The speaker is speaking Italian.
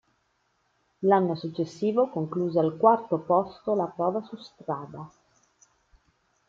L'anno successivo concluse al quarto posto la prova su strada.